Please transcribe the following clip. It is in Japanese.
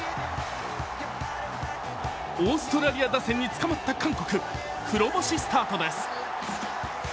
オーストラリア打線に捕まった韓国、黒星スタートです。